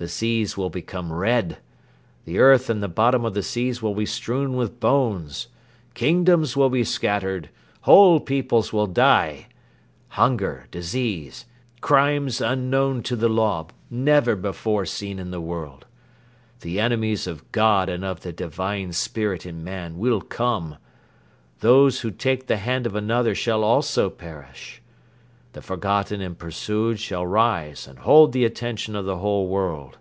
The seas will become red ... the earth and the bottom of the seas will be strewn with bones ... kingdoms will be scattered ... whole peoples will die ... hunger, disease, crimes unknown to the law, never before seen in the world. The enemies of God and of the Divine Spirit in man will come. Those who take the hand of another shall also perish. The forgotten and pursued shall rise and hold the attention of the whole world.